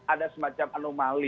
ada semacam anomali